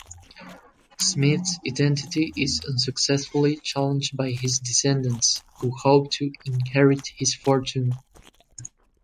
Smith's identity is unsuccessfully challenged by his descendants, who hope to inherit his fortune.